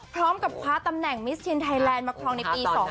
พร้อมกับคว้าตำแหน่งมิสทีนไทยแลนด์มาครองในปี๒๕๖